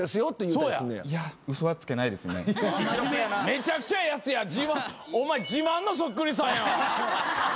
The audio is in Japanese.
めちゃくちゃええやつやん！